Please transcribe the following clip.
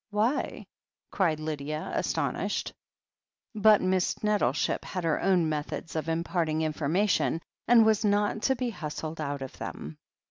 "Why?" cried Lydia, astonished. But Miss Nettleship had her own methods of im parting information, and was not to be hustled out of them.